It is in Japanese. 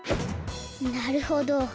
なるほど。